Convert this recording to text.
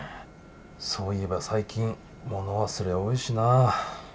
そういえば最近物忘れ多いしな。